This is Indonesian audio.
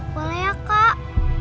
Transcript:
boleh ya kak